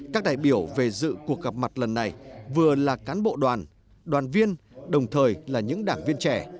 các đại biểu về dự cuộc gặp mặt lần này vừa là cán bộ đoàn đoàn viên đồng thời là những đảng viên trẻ